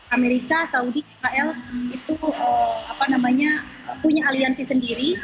amerika saudi israel itu punya aliansi sendiri